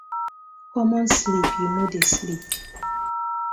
Common sleep yu no dey sleep.